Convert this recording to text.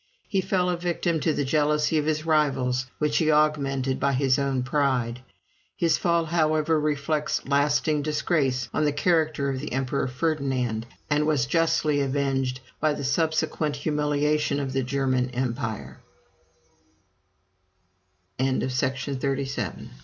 He fell a victim to the jealousy of his rivals, which he augmented by his own pride. His fall, however, reflects lasting disgrace on the character of the Emperor Ferdinand, and was justly avenged by the subsequent humiliation of the